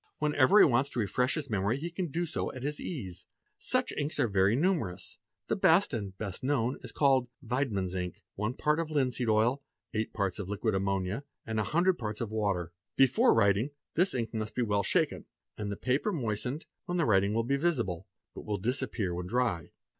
Whenever he wants to refresh his memory he can do so at his ease. Such inks are very numerous; the best, and best known, is that called " Weidmann's" ink— one part of linseed oil, eight parts of liquid ammonia, a hundred parts of water. Before writing, this ink must be well shaken and the paper moistened, when the writing will be visible but will disappear when _ dry.